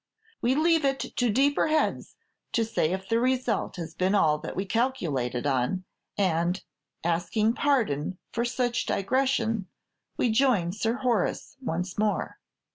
We leave it to deeper heads to say if the result has been all that we calculated on, and, asking pardon for such digression, we join Sir Horace once more.